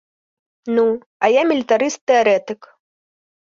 Ну, а я мілітарыст-тэарэтык.